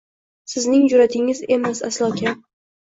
Sizning jur’atingiz emas aslo kam